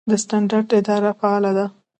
د سټنډرډ اداره فعاله ده؟